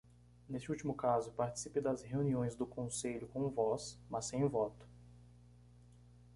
Neste último caso, participe das reuniões do Conselho com voz, mas sem voto.